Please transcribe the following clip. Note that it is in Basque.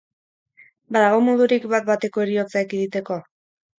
Badago modurik bat-bateko heriotza ekiditeko?